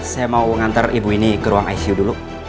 saya mau mengantar ibu ini ke ruang icu dulu